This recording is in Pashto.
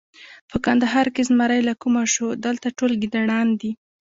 په کندهار کې زمری له کومه شو! دلته ټول ګیدړان دي.